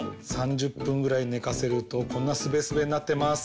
３０ぷんぐらいねかせるとこんなすべすべになってます。